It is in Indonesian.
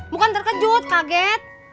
bukan terkejut kaget